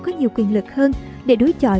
có nhiều quyền lực hơn để đối chọi